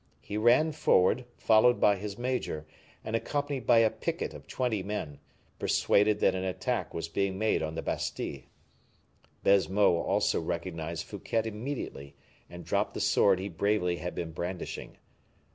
He ran forward, followed by his major, and accompanied by a picket of twenty men, persuaded that an attack was being made on the Bastile. Baisemeaux also recognized Fouquet immediately, and dropped the sword he bravely had been brandishing.